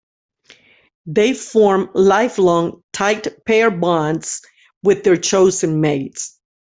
They form lifelong, tight pair bonds with their chosen mates.